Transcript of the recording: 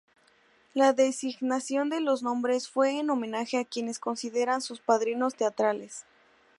La designación de los nombres fue en homenaje a quienes consideran sus padrinos teatrales.